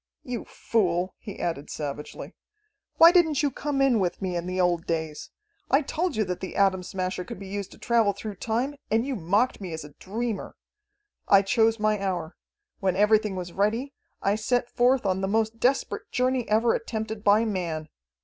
You fool," he added savagely, "why didn't you come in with me in the old days? I told you that the Atom Smasher could be used to travel through time, and you mocked at me as a dreamer. "I chose my hour. When everything was ready, I set forth on the most desperate journey ever attempted by man.